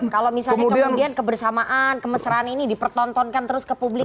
kalau misalnya kemudian kebersamaan kemesraan ini dipertontonkan terus ke publik